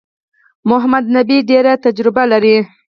محمد نبي ډېره تجربه لري.